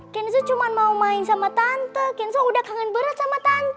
kenso cuma mau main sama tante kenso udah kangen berat sama tante